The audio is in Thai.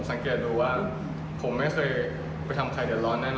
สังเกตดูว่าผมไม่เคยไปทำใครเดือดร้อนแน่น